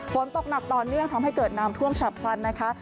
ฝนตกหนักต่อเนื่องทำให้เกิดน้ำท่วมฉับพลันนะคะ